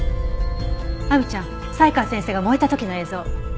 亜美ちゃん才川先生が燃えた時の映像。